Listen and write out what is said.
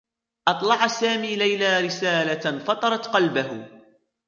أطلعَ سامي ليلى رسالة فطرت قلبه.